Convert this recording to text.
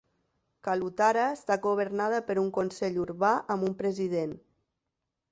Kalutara està governada per un Consell Urbà amb un president.